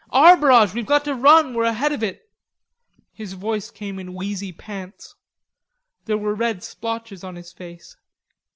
"Our barrage; we've got to run, we're ahead of it." His voice came in wheezy pants. There were red splotches on his face.